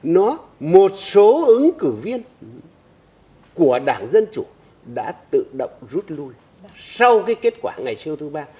nó một số ứng cử viên của đảng dân chủ đã tự động rút lui sau cái kết quả ngày siêu thứ ba